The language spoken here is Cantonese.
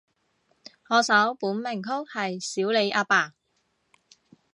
我首本名曲係少理阿爸